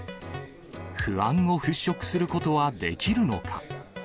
不安を払拭することはできるのか。